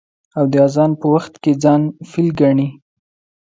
او د اذان په وخت کې ځان فيل گڼي.